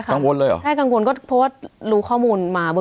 สวัสดีครับทุกผู้ชม